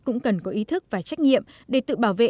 cũng cần có ý thức và trách nhiệm để tự bảo vệ